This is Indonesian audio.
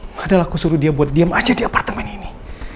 padahal aku suruh dia buat diam aja di apartemen ini